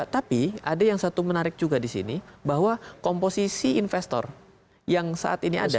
tapi ada yang satu menarik juga di sini bahwa komposisi investor yang saat ini ada